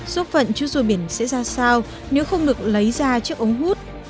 số phận chú rùa biển sẽ ra sao nếu không được lấy ra chiếc ống hút